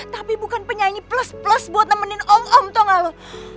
tapi bukan penyanyi plus plus buat nemenin om om tau gak lo